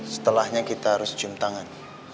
setelahnya kita harus cium tangan